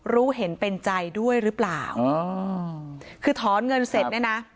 รู้เห็นเป็นใจด้วยหรือเปล่าอ๋อคือถอนเงินเสร็จเนี่ยนะ